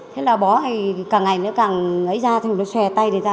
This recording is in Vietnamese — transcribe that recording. thế là bó hay càng ngày nó càng ấy ra thì nó xòe tay người ta